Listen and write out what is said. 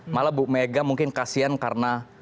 malah ibu megawati mungkin kasihan karena